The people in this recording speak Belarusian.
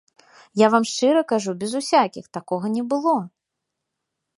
Я вам шчыра кажу, без усякіх, такога не было.